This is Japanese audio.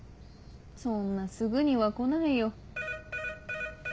そんなすぐには来ないよ。